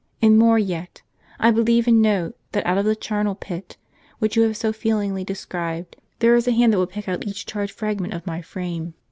And more yet ; I believe, and know, that out of that charnel pit which you have so vividly described, there is a hand that will pick out each charred fragment of my frame.